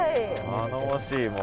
頼もしいもう。